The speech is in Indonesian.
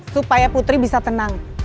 supaya putri bisa tenang